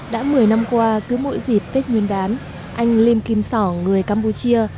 đã một mươi năm qua cứ mỗi dịp tết nguyên đán anh lim kim sỏ người campuchia